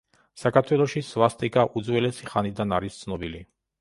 საქართველოში სვასტიკა უძველესი ხანიდან არის ცნობილი.